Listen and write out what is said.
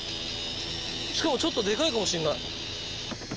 しかもちょっとでかいかもしんない！